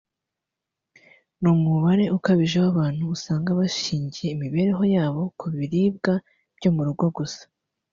n’umubare ukabije w’abantu usanga bashingiye imibereho yabo ku biribwa byo mu rugo gusa